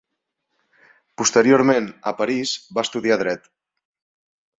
Posteriorment, a París, va estudiar dret.